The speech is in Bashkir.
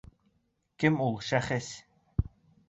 Кем ул шәхес?